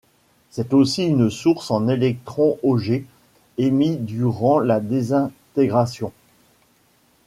C'est aussi une source en électrons Auger, émis durant la désintégration.